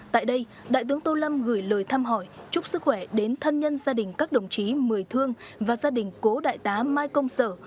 tại đây đại tướng tô lâm gửi lời thăm hỏi chúc sức khỏe đến thân nhân gia đình các đồng chí mười thương và gia đình cố đại tá mai công sở